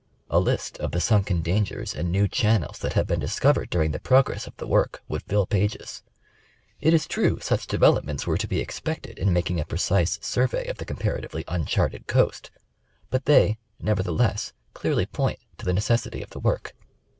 A list of the sunken dangers and new channels that have been discovered during the progress of the work would fill pages. It is true such develop ments were to be expected in making a precise survey of the comparatively uncharted coast ; but they, nevertheless, clearly point to the necessity of the work.